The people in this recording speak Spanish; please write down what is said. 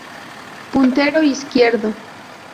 Puntero Izquierdo.